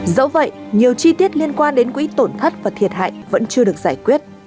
dẫu vậy nhiều chi tiết liên quan đến quỹ tổn thất và thiệt hại vẫn chưa được giải quyết